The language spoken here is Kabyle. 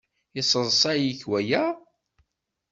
Yesseḍsay-ik waya?